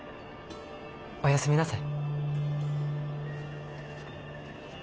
おやすみなさい。